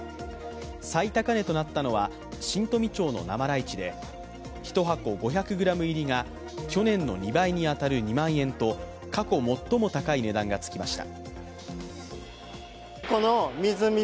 最高値となったのは新富町の生ライチで、１箱５００ｇ入りが去年の２倍に当たる２万円と過去最も高い値段がつきました。